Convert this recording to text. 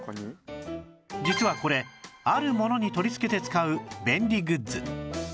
実はこれあるものに取りつけて使う便利グッズ